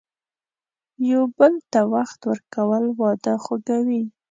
یو بل ته وخت ورکول، واده خوږوي.